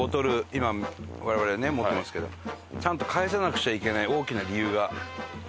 今我々ね持ってますけどちゃんと返さなくちゃいけない大きな理由がありました。